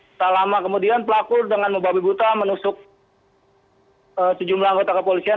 setelah lama kemudian pelaku dengan membabi buta menusuk sejumlah anggota kepolisian